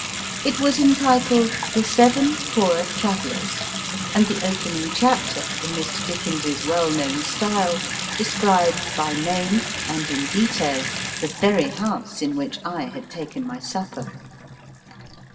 It was entitled "The Seven Poor Travellers," and the opening chapter, in Mr Dickens's well known style, described by name, and in detail, the very house in which I had taken my supper.